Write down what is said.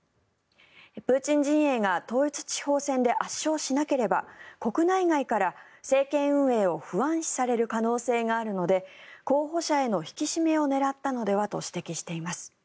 プーチン陣営が統一地方選で圧勝しなければ国内外から政権運営を不安視される可能性があるので候補者への引き締めを狙ったのではと指摘しています。